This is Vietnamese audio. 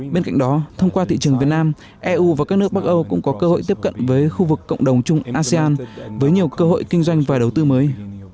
bên cạnh đó thông qua thị trường việt nam eu và các nước bắc âu cũng có cơ hội tiếp cận với khu vực cộng đồng chung asean với nhiều cơ hội kinh doanh và đầu tư mới